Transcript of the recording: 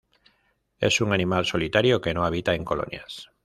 Es un animal solitario que no habita en colonias.